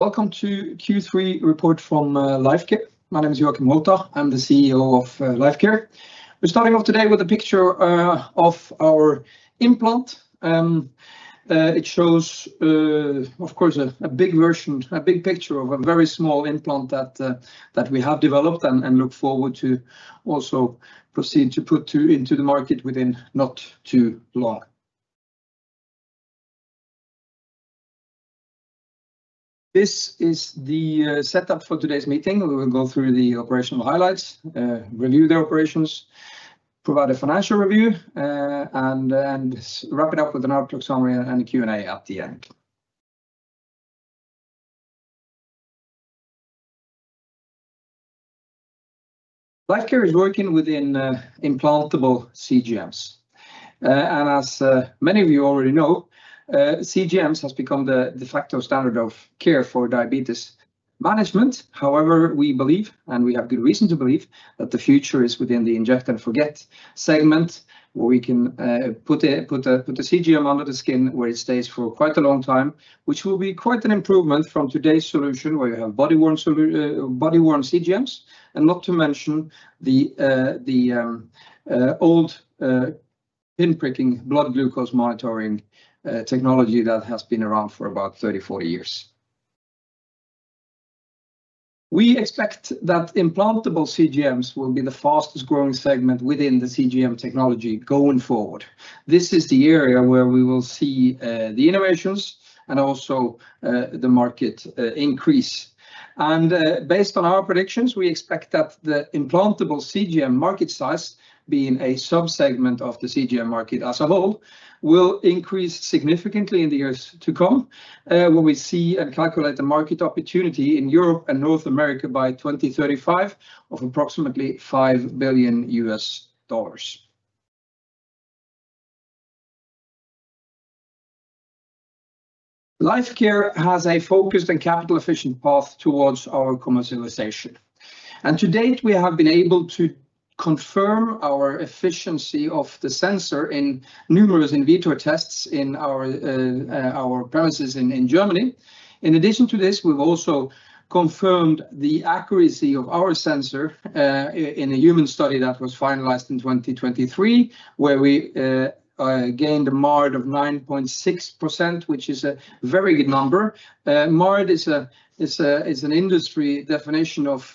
Welcome to Q3 Report from Lifecare. My name is Joacim Holter. I'm the CEO of Lifecare. We're starting off today with a picture of our implant. It shows, of course, a big version, a big picture of a very small implant that we have developed and look forward to also proceed to put into the market within not too long. This is the setup for today's meeting. We will go through the operational highlights, review the operations, provide a financial review, and wrap it up with an outlook summary and a Q&A at the end. Lifecare is working within implantable CGMs. As many of you already know, CGMs have become the de facto standard of care for diabetes management. However, we believe, and we have good reason to believe, that the future is within the inject and forget segment, where we can put a CGM under the skin where it stays for quite a long time, which will be quite an improvement from today's solution where you have body-worn CGMs, and not to mention the old pin-pricking blood glucose monitoring technology that has been around for about 30-40 years. We expect that implantable CGMs will be the fastest growing segment within the CGM technology going forward. This is the area where we will see the innovations and also the market increase. Based on our predictions, we expect that the implantable CGM market size, being a subsegment of the CGM market as a whole, will increase significantly in the years to come, where we see and calculate the market opportunity in Europe and North America by 2035 of approximately $5 billion. Lifecare has a focused and capital-efficient path towards our commercialization. To date, we have been able to confirm our efficiency of the sensor in numerous in vitro tests in our premises in Germany. In addition to this, we've also confirmed the accuracy of our sensor in a human study that was finalized in 2023, where we gained a MARD of 9.6%, which is a very good number. MARD is an industry definition of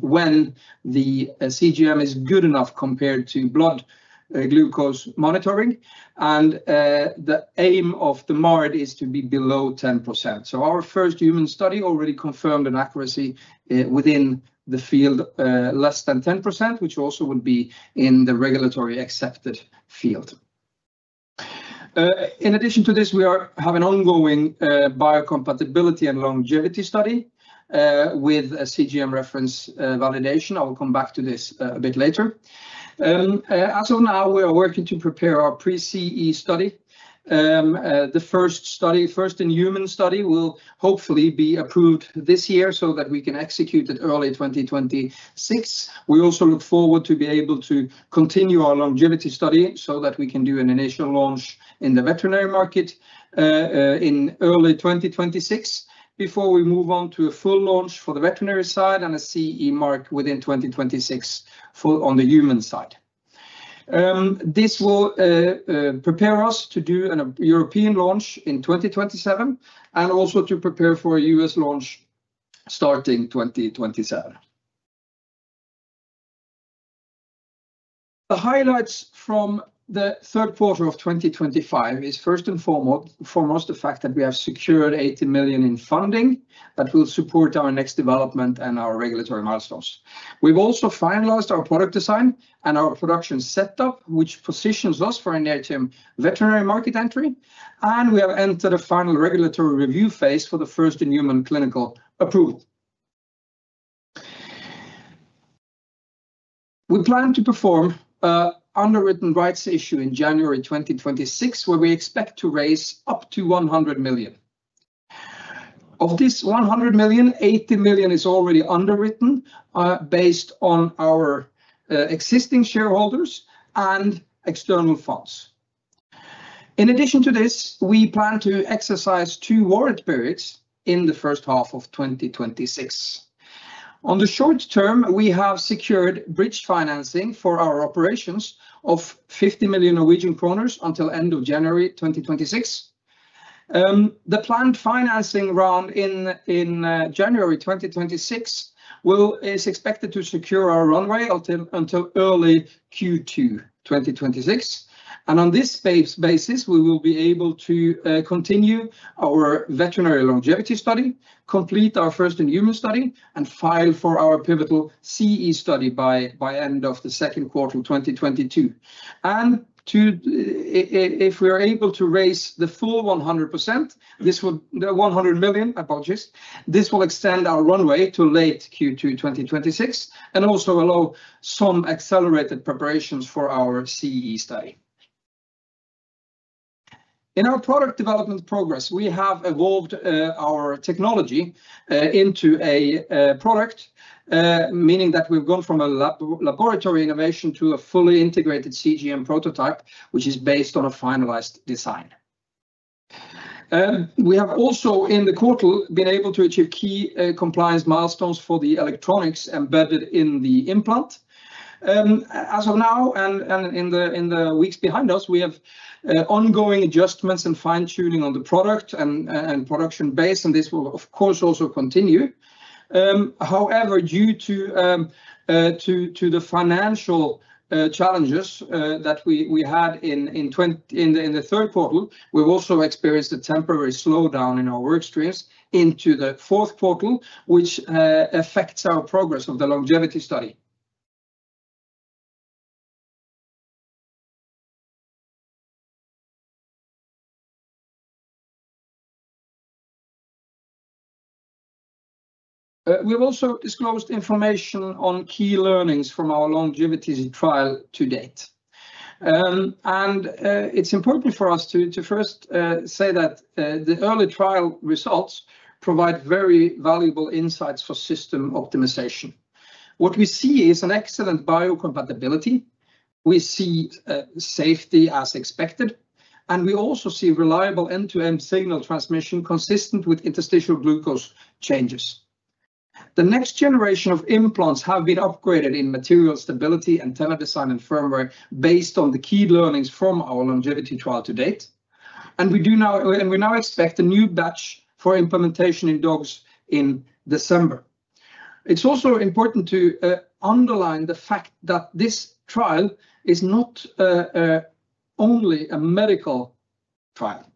when the CGM is good enough compared to blood glucose monitoring. The aim of the MARD is to be below 10%. Our first human study already confirmed an accuracy within the field less than 10%, which also would be in the regulatory accepted field. In addition to this, we have an ongoing biocompatibility and longevity study with a CGM reference validation. I will come back to this a bit later. As of now, we are working to prepare our pre-CE study. The first in-human study will hopefully be approved this year so that we can execute it early 2026. We also look forward to being able to continue our longevity study so that we can do an initial launch in the veterinary market in early 2026 before we move on to a full launch for the veterinary side and a CE mark within 2026 on the human side. This will prepare us to do a European launch in 2027 and also to prepare for a U.S. launch starting 2027. The highlights from the third quarter of 2025 is, first and foremost, the fact that we have secured $80 million in funding that will support our next development and our regulatory milestones. We've also finalized our product design and our production setup, which positions us for a near-term veterinary market entry. We have entered a final regulatory review phase for the first in-human clinical approval. We plan to perform an underwritten rights issue in January 2026, where we expect to raise up to $100 million. Of this $100 million, $80 million is already underwritten based on our existing shareholders and external funds. In addition to this, we plan to exercise two warrant periods in the first half of 2026. On the short term, we have secured bridge financing for our operations of 50 million Norwegian kroner until the end of January 2026. The planned financing round in January 2026 is expected to secure our runway until early Q2 2026. On this basis, we will be able to continue our veterinary longevity study, complete our first in-human study, and file for our pivotal CE study by the end of the second quarter of 2022. If we are able to raise the full 100%, the $100 million, I apologize, this will extend our runway to late Q2 2026 and also allow some accelerated preparations for our CE study. In our product development progress, we have evolved our technology into a product, meaning that we've gone from a laboratory innovation to a fully integrated CGM prototype, which is based on a finalized design. We have also, in the quarter, been able to achieve key compliance milestones for the electronics embedded in the implant. As of now, and in the weeks behind us, we have ongoing adjustments and fine-tuning on the product and production base, and this will, of course, also continue. However, due to the financial challenges that we had in the third quarter, we've also experienced a temporary slowdown in our workstreams into the fourth quarter, which affects our progress of the longevity study. We've also disclosed information on key learnings from our longevity trial to date. It's important for us to first say that the early trial results provide very valuable insights for system optimization. What we see is an excellent biocompatibility. We see safety as expected, and we also see reliable end-to-end signal transmission consistent with interstitial glucose changes. The next generation of implants have been upgraded in material stability, antenna design, and firmware based on the key learnings from our longevity trial to date. We now expect a new batch for implementation in dogs in December. It's also important to underline the fact that this trial is not only a medical trial,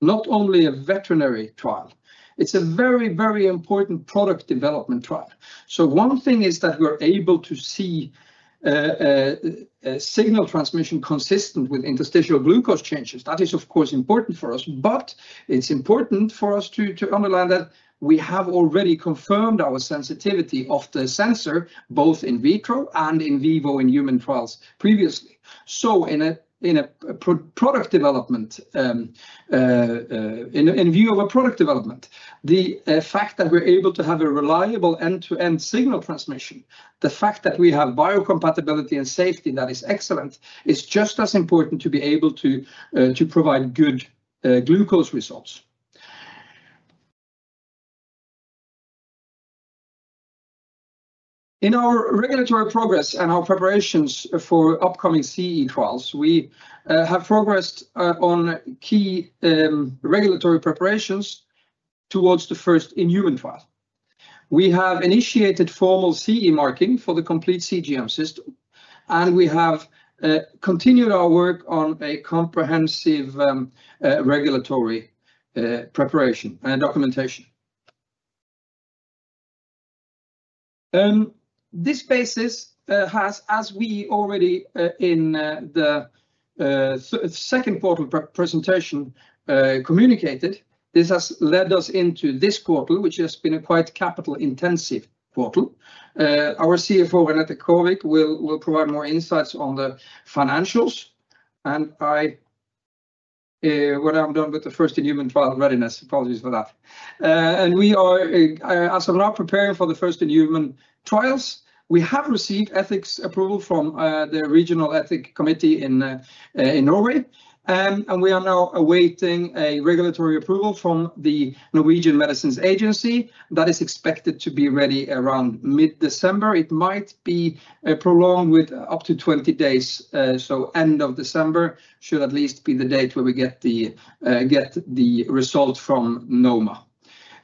not only a veterinary trial. It's a very, very important product development trial. One thing is that we're able to see signal transmission consistent with interstitial glucose changes. That is, of course, important for us, but it's important for us to underline that we have already confirmed our sensitivity of the sensor both in vitro and in vivo in human trials previously. In view of product development, the fact that we're able to have a reliable end-to-end signal transmission, the fact that we have biocompatibility and safety that is excellent, is just as important to be able to provide good glucose results. In our regulatory progress and our preparations for upcoming CE trials, we have progressed on key regulatory preparations towards the first in-human trial. We have initiated formal CE marking for the complete CGM system, and we have continued our work on a comprehensive regulatory preparation and documentation. This basis has, as we already in the second quarter presentation communicated, this has led us into this quarter, which has been a quite capital-intensive quarter. Our CFO, Renete Kaarvik, will provide more insights on the financials. When I'm done with the first in-human trial readiness, apologies for that. As of now, preparing for the first in-human trials, we have received ethics approval from the regional ethics committee in Norway. We are now awaiting a regulatory approval from the Norwegian Medicines Agency that is expected to be ready around mid-December. It might be prolonged with up to 20 days. End of December should at least be the date where we get the result from NOMA.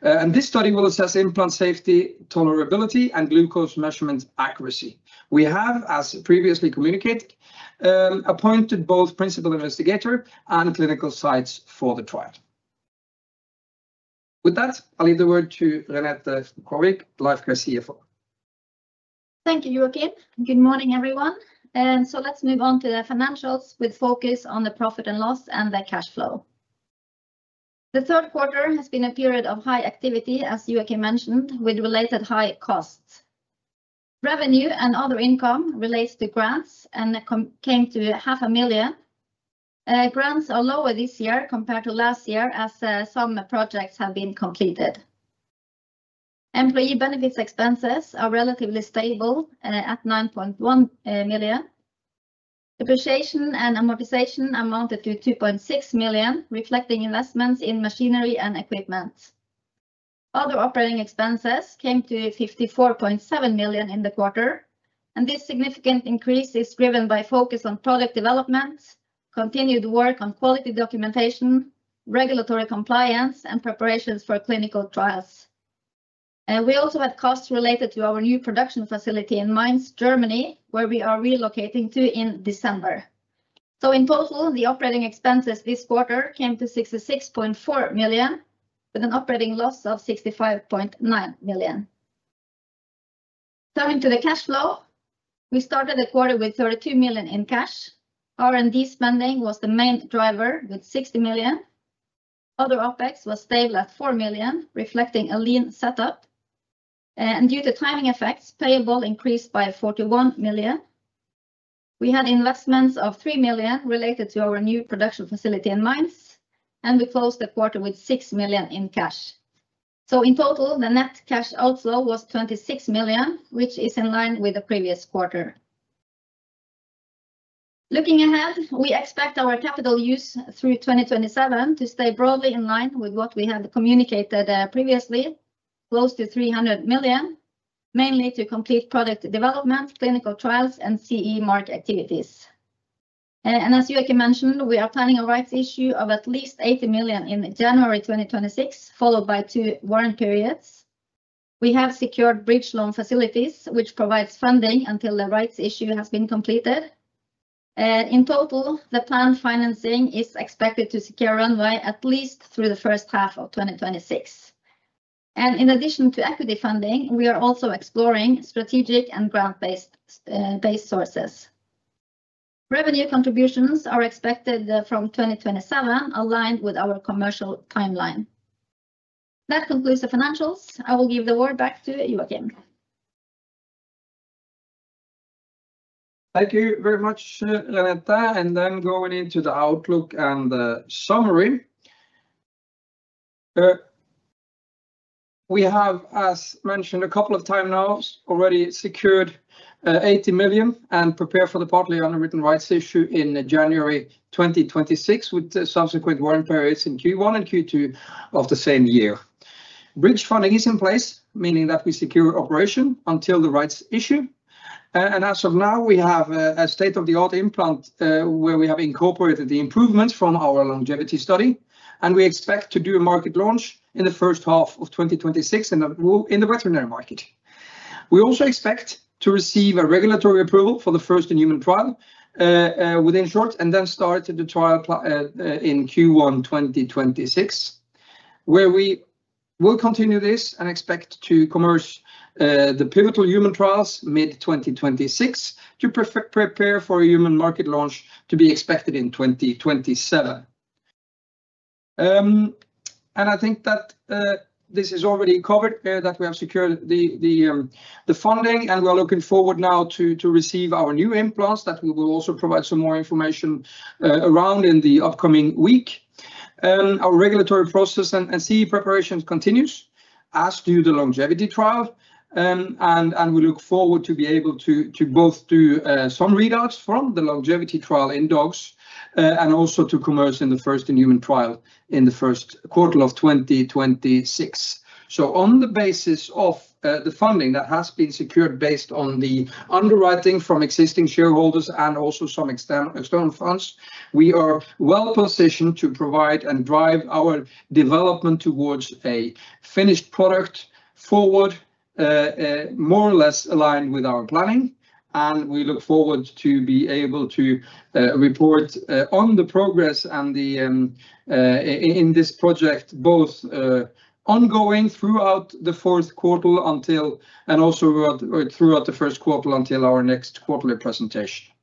This study will assess implant safety, tolerability, and glucose measurement accuracy. We have, as previously communicated, appointed both principal investigator and clinical sites for the trial. With that, I'll leave the word to Renete Kaarvik, Lifecare CFO. Thank you, Joacim. Good morning, everyone. Let's move on to the financials with focus on the profit and loss and the cash flow. The third quarter has been a period of high activity, as Joacim mentioned, with related high costs. Revenue and other income relates to grants and came to 500,000. Grants are lower this year compared to last year as some projects have been completed. Employee benefits expenses are relatively stable at 9.1 million. Depreciation and amortization amounted to 2.6 million, reflecting investments in machinery and equipment. Other operating expenses came to 54.7 million in the quarter. This significant increase is driven by focus on product development, continued work on quality documentation, regulatory compliance, and preparations for clinical trials. We also had costs related to our new production facility in Mainz, Germany, where we are relocating to in December. In total, the operating expenses this quarter came to 66.4 million with an operating loss of 65.9 million. Turning to the cash flow, we started the quarter with 32 million in cash. R&D spending was the main driver with 60 million. Other OpEx was stable at 4 million, reflecting a lean setup. Due to timing effects, payables increased by 41 million. We had investments of 3 million related to our new production facility in Mainz, and we closed the quarter with 6 million in cash. In total, the net cash outflow was 26 million, which is in line with the previous quarter. Looking ahead, we expect our capital use through 2027 to stay broadly in line with what we have communicated previously, close to 300 million, mainly to complete product development, clinical trials, and CE mark activities. As Joacim mentioned, we are planning a rights issue of at least 80 million in January 2026, followed by two warrant periods. We have secured bridge loan facilities, which provide funding until the rights issue has been completed. In total, the planned financing is expected to secure runway at least through the first half of 2026. In addition to equity funding, we are also exploring strategic and grant-based sources. Revenue contributions are expected from 2027, aligned with our commercial timeline. That concludes the financials. I will give the word back to Joacim. Thank you very much, Renete. Going into the outlook and the summary, we have, as mentioned a couple of times now, already secured 80 million and prepared for the partly unwritten rights issue in January 2026, with subsequent warrant periods in Q1 and Q2 of the same year. Bridge funding is in place, meaning that we secure operation until the rights issue. As of now, we have a state-of-the-art implant where we have incorporated the improvements from our longevity study. We expect to do a market launch in the first half of 2026 in the veterinary market. We also expect to receive a regulatory approval for the first in-human trial within short and then start the trial in Q1 2026, where we will continue this and expect to commence the pivotal human trials mid-2026 to prepare for a human market launch to be expected in 2027. I think that this is already covered, that we have secured the funding, and we are looking forward now to receive our new implants that we will also provide some more information around in the upcoming week. Our regulatory process and CE preparation continues, as do the longevity trial. We look forward to be able to both do some readouts from the longevity trial in dogs and also to commence in the first in-human trial in the first quarter of 2026. On the basis of the funding that has been secured based on the underwriting from existing shareholders and also some external funds, we are well positioned to provide and drive our development towards a finished product forward, more or less aligned with our planning. We look forward to be able to report on the progress in this project, both ongoing throughout the fourth quarter and also throughout the first quarter until our next quarterly presentation.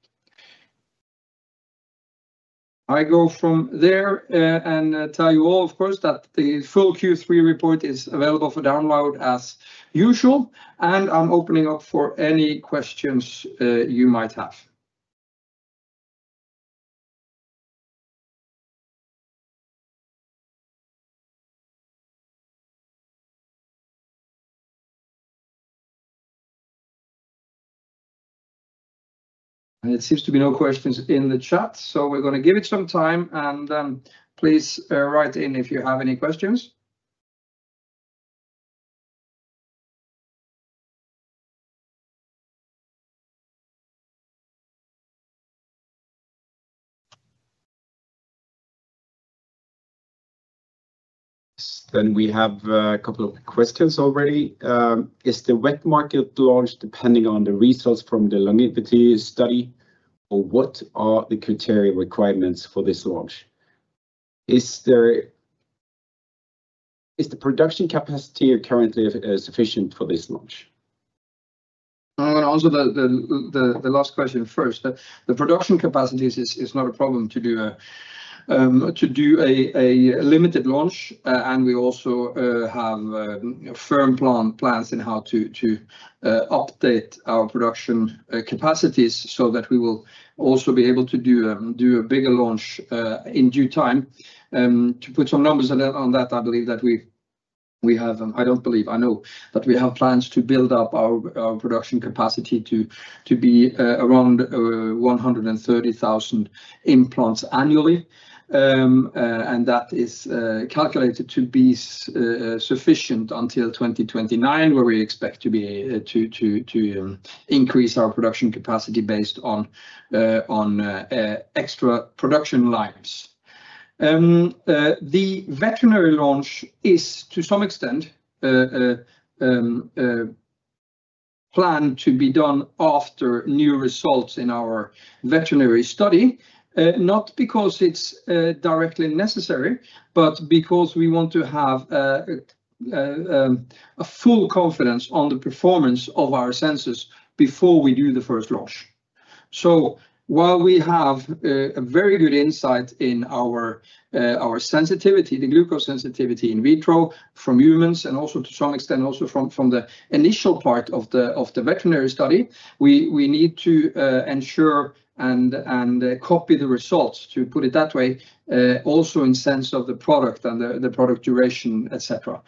I go from there and tell you all, of course, that the full Q3 report is available for download as usual, and I'm opening up for any questions you might have. It seems to be no questions in the chat, so we're going to give it some time, and please write in if you have any questions. We have a couple of questions already. Is the wet market launch depending on the results from the longevity study, or what are the criteria requirements for this launch? Is the production capacity currently sufficient for this launch? I'm going to answer the last question first. The production capacity is not a problem to do a limited launch, and we also have firm plans in how to update our production capacities so that we will also be able to do a bigger launch in due time. To put some numbers on that, I believe that we have—I don't believe—I know that we have plans to build up our production capacity to be around 130,000 implants annually. And that is calculated to be sufficient until 2029, where we expect to increase our production capacity based on extra production lines. The veterinary launch is, to some extent, planned to be done after new results in our veterinary study, not because it's directly necessary, but because we want to have full confidence on the performance of our sensors before we do the first launch. While we have a very good insight in our sensitivity, the glucose sensitivity in vitro from humans, and also to some extent also from the initial part of the veterinary study, we need to ensure and copy the results, to put it that way, also in sense of the product and the product duration, etc.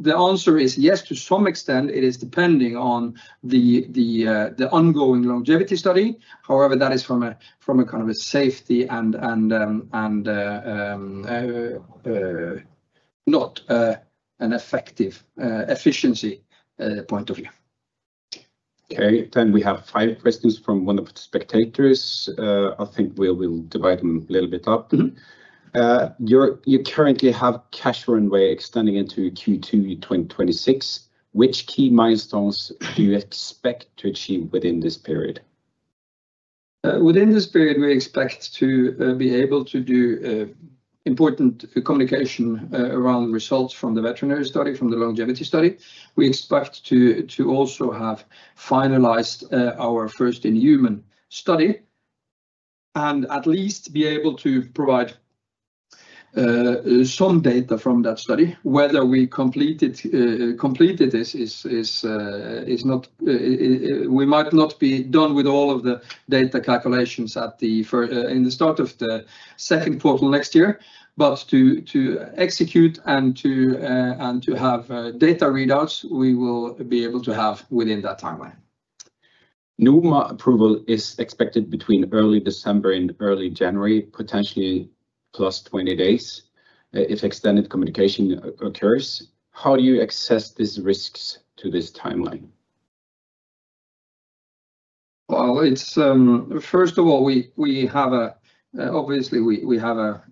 The answer is yes, to some extent, it is depending on the ongoing longevity study. However, that is from a kind of a safety and not an effective efficiency point of view. Okay. We have five questions from one of the spectators. I think we will divide them a little bit up. You currently have cash runway extending into Q2 2026. Which key milestones do you expect to achieve within this period? Within this period, we expect to be able to do important communication around results from the veterinary study, from the longevity study. We expect to also have finalized our first in-human study and at least be able to provide some data from that study. Whether we completed this is not—we might not be done with all of the data calculations in the start of the second quarter next year, but to execute and to have data readouts, we will be able to have within that timeline. NOMA approval is expected between early December and early January, potentially plus 20 days if extended communication occurs. How do you assess these risks to this timeline? First of all, obviously, we have a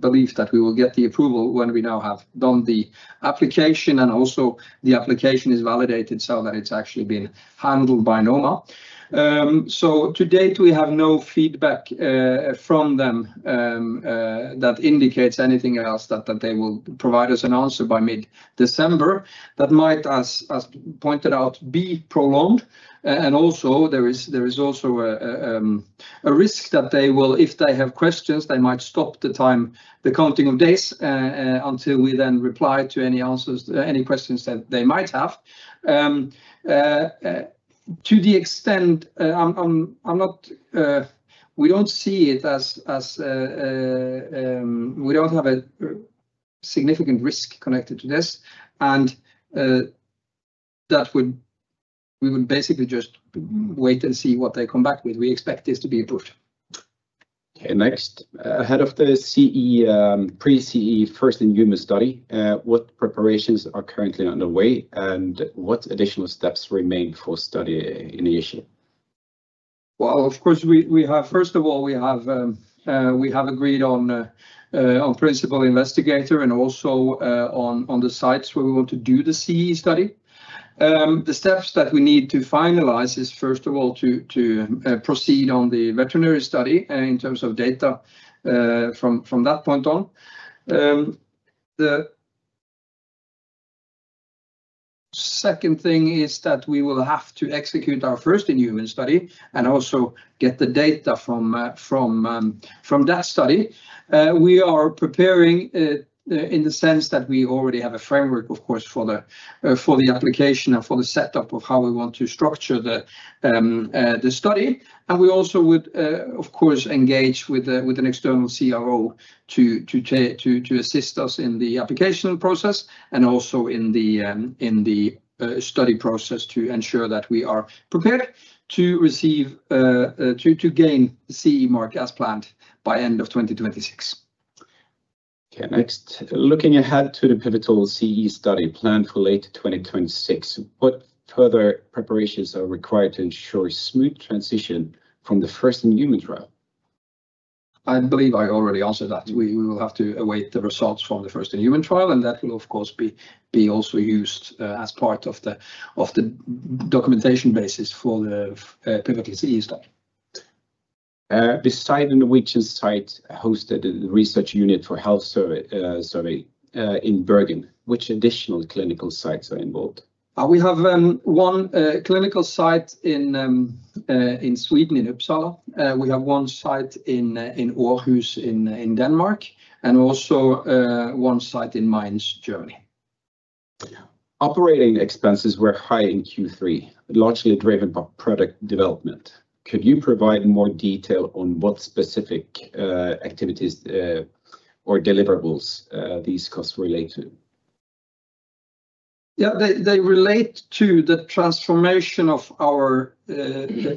belief that we will get the approval when we now have done the application, and also the application is validated so that it's actually been handled by NOMA. To date, we have no feedback from them that indicates anything else that they will provide us an answer by mid-December that might, as pointed out, be prolonged. There is also a risk that if they have questions, they might stop the counting of days until we then reply to any questions that they might have. To the extent, we don't see it as—we don't have a significant risk connected to this. We would basically just wait and see what they come back with. We expect this to be approved. Okay. Next, ahead of the pre-CE first in-human study, what preparations are currently underway, and what additional steps remain for study initial? First of all, we have agreed on principal investigator and also on the sites where we want to do the CE study. The steps that we need to finalize is, first of all, to proceed on the veterinary study in terms of data from that point on. The second thing is that we will have to execute our first in-human study and also get the data from that study. We are preparing in the sense that we already have a framework, of course, for the application and for the setup of how we want to structure the study. We also would, of course, engage with an external CRO to assist us in the application process and also in the study process to ensure that we are prepared to gain CE mark as planned by end of 2026. Okay. Next, looking ahead to the pivotal CE study planned for late 2026, what further preparations are required to ensure smooth transition from the first in-human trial? I believe I already answered that. We will have to await the results from the first in-human trial, and that will, of course, be also used as part of the documentation basis for the pivotal CE study. Besides which site hosted the research unit for health survey in Bergen, which additional clinical sites are involved? We have one clinical site in Sweden in Uppsala. We have one site in Aarhus in Denmark, and also one site in Mainz, Germany. Operating expenses were high in Q3, largely driven by product development. Could you provide more detail on what specific activities or deliverables these costs relate to? Yeah, they relate to the transformation of our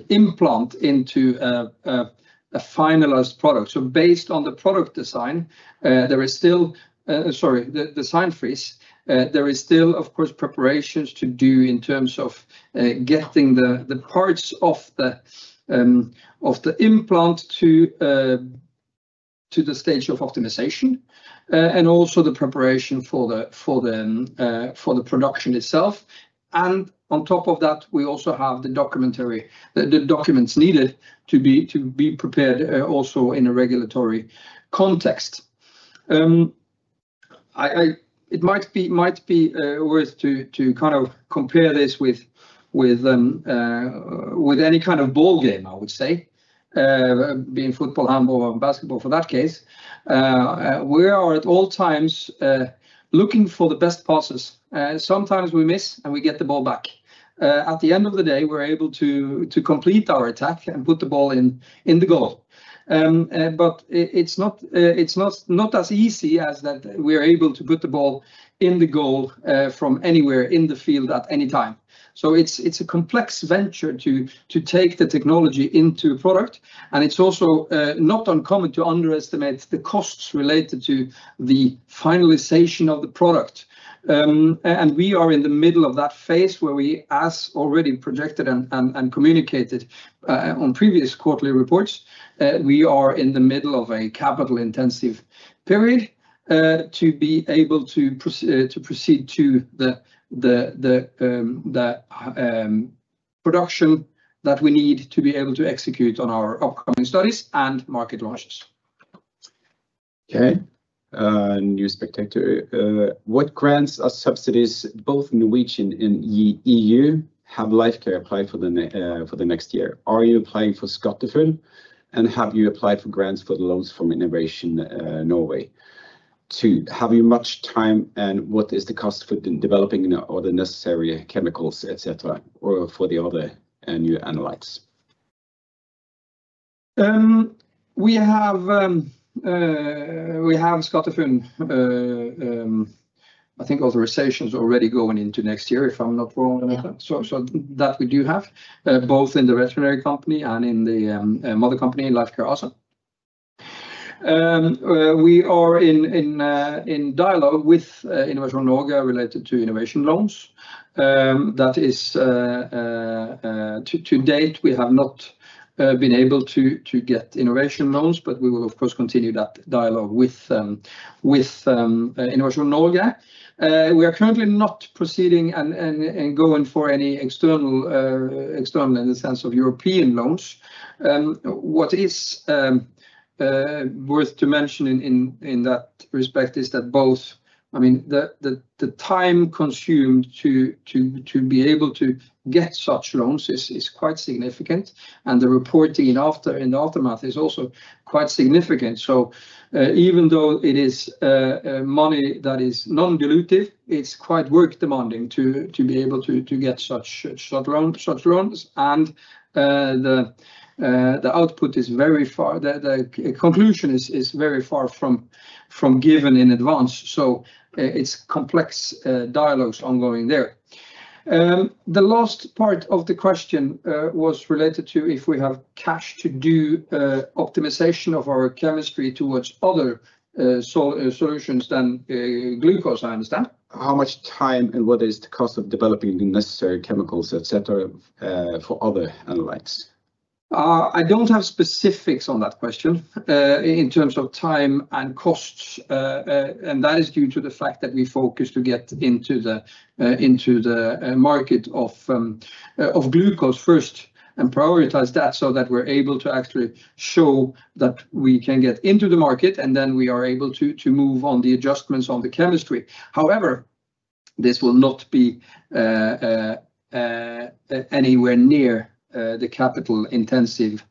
implant into a finalized product. Based on the product design, there is still—sorry, the design phase—there is still, of course, preparations to do in terms of getting the parts of the implant to the stage of optimization and also the preparation for the production itself. On top of that, we also have the documents needed to be prepared also in a regulatory context. It might be worth to kind of compare this with any kind of ball game, I would say, being football, handball, or basketball for that case. We are at all times looking for the best passes. Sometimes we miss, and we get the ball back. At the end of the day, we're able to complete our attack and put the ball in the goal. It is not as easy as that we are able to put the ball in the goal from anywhere in the field at any time. It is a complex venture to take the technology into product, and it is also not uncommon to underestimate the costs related to the finalization of the product. We are in the middle of that phase where we, as already projected and communicated on previous quarterly reports, are in the middle of a capital-intensive period to be able to proceed to the production that we need to be able to execute on our upcoming studies and market launches. Okay. New spectator. What grants or subsidies, both Norwegian and EU, have Lifecare applied for the next year? Are you applying for SkatteFUNN, and have you applied for grants for the loans from Innovation Norway? Two, have you much time, and what is the cost for developing or the necessary chemicals, etc., or for the other new analytes? We have SkatteFUNN. I think authorization is already going into next year, if I'm not wrong. So that we do have, both in the veterinary company and in the mother company, Lifecare also. We are in dialogue with Innovation Norway related to innovation loans. That is, to date, we have not been able to get innovation loans, but we will, of course, continue that dialogue with Innovation Norway. We are currently not proceeding and going for any external in the sense of European loans. What is worth to mention in that respect is that both, I mean, the time consumed to be able to get such loans is quite significant, and the reporting in the aftermath is also quite significant. Even though it is money that is non-dilutive, it's quite work-demanding to be able to get such loans, and the output is very far. The conclusion is very far from given in advance. It is complex dialogues ongoing there. The last part of the question was related to if we have cash to do optimization of our chemistry towards other solutions than glucose, I understand. How much time and what is the cost of developing the necessary chemicals, etc., for other analytes? I don't have specifics on that question in terms of time and costs, and that is due to the fact that we focus to get into the market of glucose first and prioritize that so that we're able to actually show that we can get into the market, and then we are able to move on the adjustments on the chemistry. However, this will not be anywhere near the capital-intensive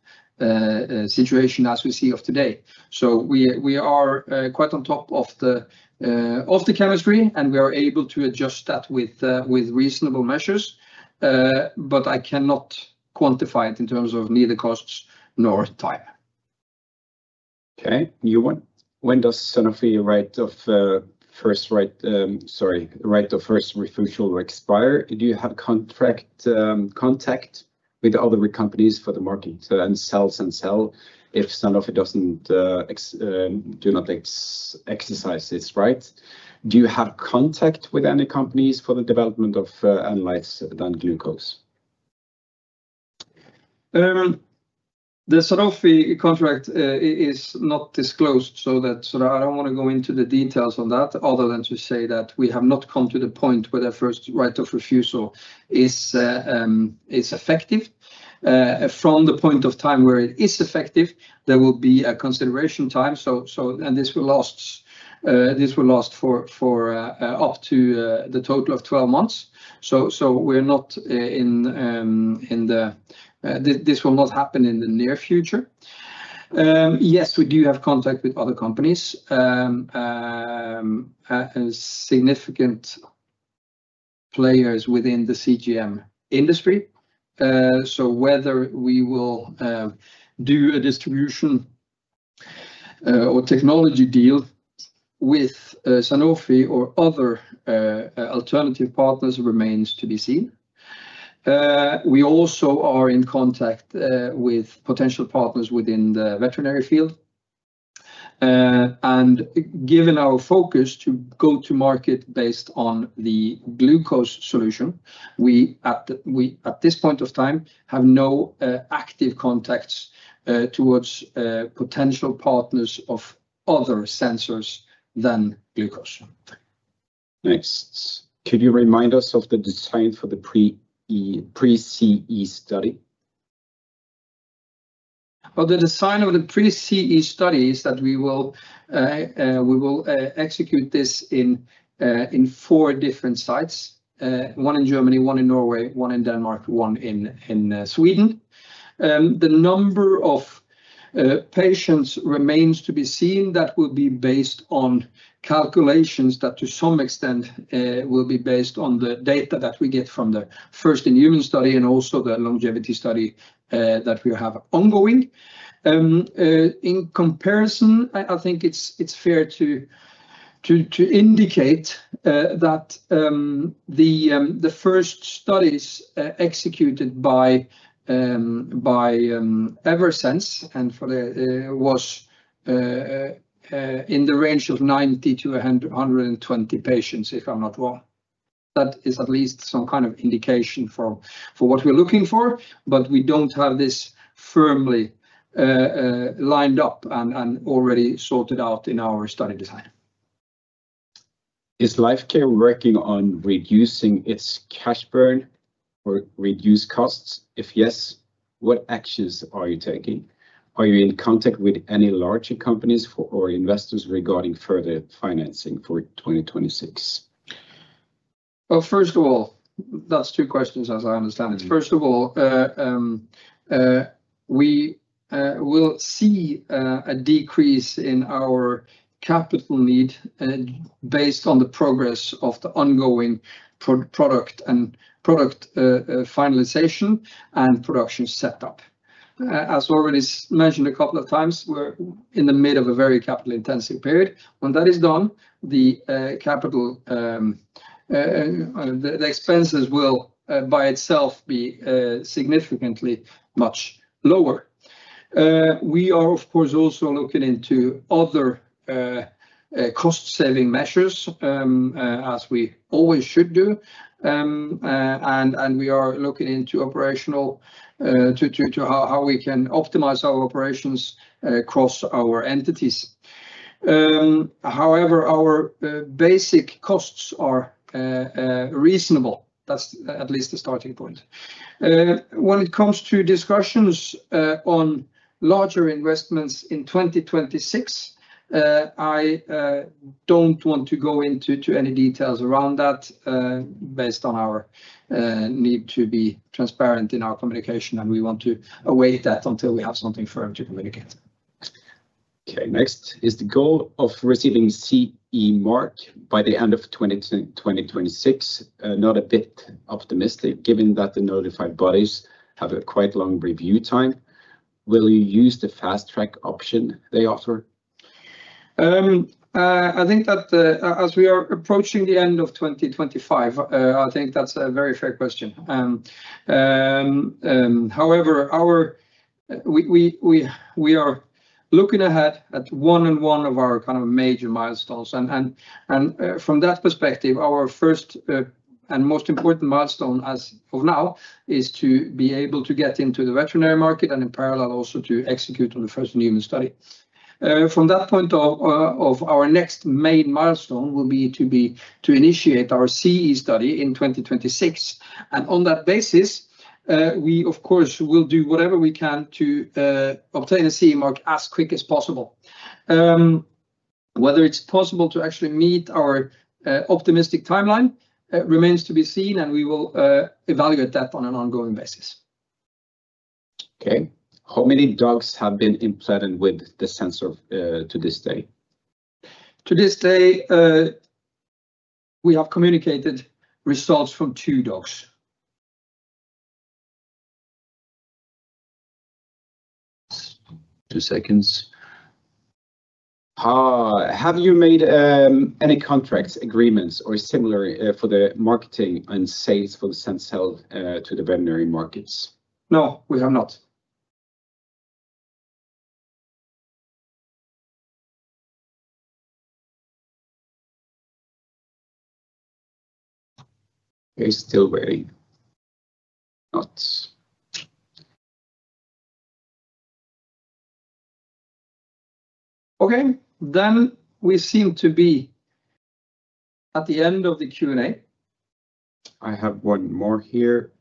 situation as we see of today. We are quite on top of the chemistry, and we are able to adjust that with reasonable measures, but I cannot quantify it in terms of neither costs nor time. Okay. New one. When does Sanofi's right of first refusal expire? Do you have contact with other companies for the market and sell if Sanofi does not exercise its right? Do you have contact with any companies for the development of analytes than glucose? The Sanofi contract is not disclosed, so I don't want to go into the details on that other than to say that we have not come to the point where the first right of refusal is effective. From the point of time where it is effective, there will be a consideration time, and this will last for up to the total of 12 months. We are not in the—this will not happen in the near future. Yes, we do have contact with other companies, significant players within the CGM industry. Whether we will do a distribution or technology deal with Sanofi or other alternative partners remains to be seen. We also are in contact with potential partners within the veterinary field. Given our focus to go to market based on the glucose solution, we at this point of time have no active contacts towards potential partners of other sensors than glucose. Next. Could you remind us of the design for the pre-CE study? The design of the pre-CE study is that we will execute this in four different sites: one in Germany, one in Norway, one in Denmark, one in Sweden. The number of patients remains to be seen. That will be based on calculations that, to some extent, will be based on the data that we get from the first in-human study and also the longevity study that we have ongoing. In comparison, I think it's fair to indicate that the first studies executed by Eversense and for the—was in the range of 90-120 patients, if I'm not wrong. That is at least some kind of indication for what we're looking for, but we don't have this firmly lined up and already sorted out in our study design. Is Lifecare working on reducing its cash burn or reduce costs? If yes, what actions are you taking? Are you in contact with any larger companies or investors regarding further financing for 2026? First of all, that's two questions as I understand it. First of all, we will see a decrease in our capital need based on the progress of the ongoing product and product finalization and production setup. As already mentioned a couple of times, we're in the mid of a very capital-intensive period. When that is done, the expenses will by itself be significantly much lower. We are, of course, also looking into other cost-saving measures as we always should do, and we are looking into operational to how we can optimize our operations across our entities. However, our basic costs are reasonable. That's at least the starting point. When it comes to discussions on larger investments in 2026, I don't want to go into any details around that based on our need to be transparent in our communication, and we want to await that until we have something firm to communicate. Okay. Next is the goal of receiving CE mark by the end of 2026. Not a bit optimistic given that the notified bodies have a quite long review time. Will you use the fast track option they offer? I think that as we are approaching the end of 2025, I think that's a very fair question. However, we are looking ahead at one and one of our kind of major milestones. From that perspective, our first and most important milestone as of now is to be able to get into the veterinary market and in parallel also to execute on the first in-human study. From that point, our next main milestone will be to initiate our CE study in 2026. On that basis, we, of course, will do whatever we can to obtain a CE mark as quick as possible. Whether it's possible to actually meet our optimistic timeline remains to be seen, and we will evaluate that on an ongoing basis. Okay. How many dogs have been implanted with the sensor to this day? To this day, we have communicated results from two dogs. Two seconds. Have you made any contract agreements or similar for the marketing and sales for the sensor to the veterinary markets? No, we have not. He's still waiting. Not okay. Then we seem to be at the end of the Q&A. I have one more here.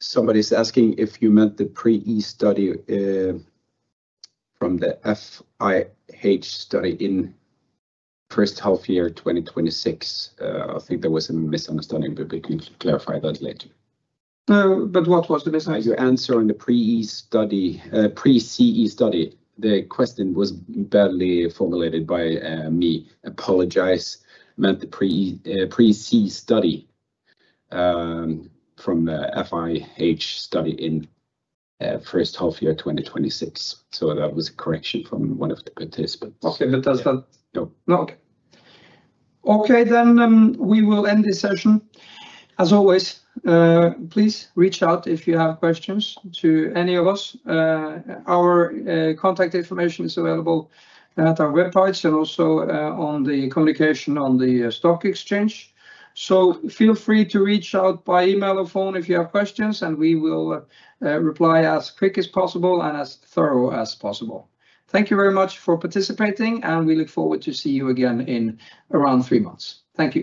Somebody's asking if you meant the pre-CE study from the FIH study in first half year 2026. I think there was a misunderstanding, but we can clarify that later. What was the misunderstanding? You're answering the pre-CE study. The question was badly formulated by me. Apologize. Meant the pre-CE study from the FIH study in first half year 2026. So that was a correction from one of the participants. Okay. Does that? No. No. Okay. Okay. Then we will end this session. As always, please reach out if you have questions to any of us. Our contact information is available at our websites and also on the communication on the stock exchange. Feel free to reach out by email or phone if you have questions, and we will reply as quick as possible and as thorough as possible. Thank you very much for participating, and we look forward to seeing you again in around three months. Thank you.